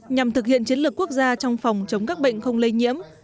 nhằm thực hiện chiến lược quốc gia trong phòng chống các bệnh không lây nhiễm